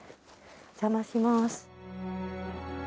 お邪魔します。